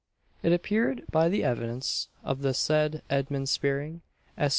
It appeared by the evidence of the said Edmund Speering, Esq.